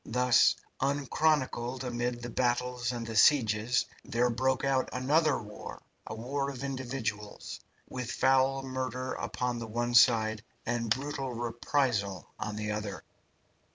Thus, unchronicled amid the battles and the sieges, there broke out another war, a war of individuals, with foul murder upon the one side and brutal reprisal on the other.